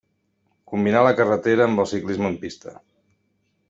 Combinà la carretera amb el ciclisme en pista.